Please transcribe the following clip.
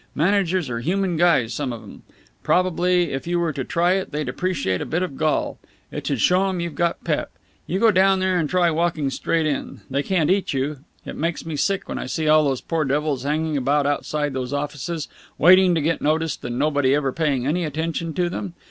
Managers are human guys, some of 'em. Probably, if you were to try it, they'd appreciate a bit of gall. It would show 'em you'd got pep. You go down there and try walking straight in. They can't eat you. It makes me sick when I see all those poor devils hanging about outside these offices, waiting to get noticed and nobody ever paying any attention to them.